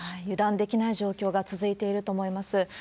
油断できない状況が続いていると思います。